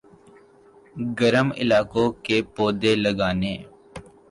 گرم علاقوں کے پودے لگانے